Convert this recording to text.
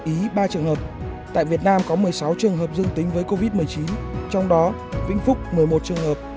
ý ba trường hợp tại việt nam có một mươi sáu trường hợp dương tính với covid một mươi chín trong đó vĩnh phúc một mươi một trường hợp